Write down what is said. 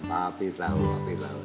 papi tau papi tau